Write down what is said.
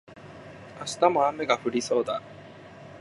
明日も雨が降りそうだ